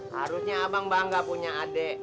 harusnya abang bangga punya adik